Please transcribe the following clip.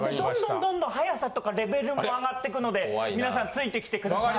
どんどん速さとかレベルもあがってくのでみなさんついてきてください。